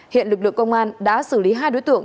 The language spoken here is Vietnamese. hiện lực lượng công an đã xử lý hai đối tượng